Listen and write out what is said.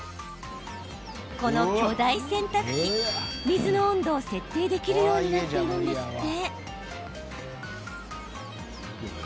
この巨大洗濯機水の温度を設定できるようになっているんですって。